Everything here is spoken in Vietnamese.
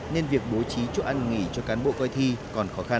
nên việc bố trí chỗ ăn nghỉ cho cán bộ coi thi còn khó khăn